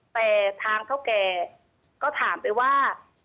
แต่ทางเท่าแก่ก็ถามไปว่า